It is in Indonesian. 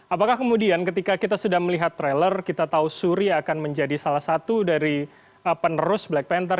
apakah kemudian ketika kita sudah melihat trailer kita tahu suri akan menjadi salah satu dari penerus black panther